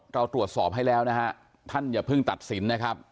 เราตรวจสอบให้แล้วนะฮะท่านอย่าเพิ่งตัดสินนะครับ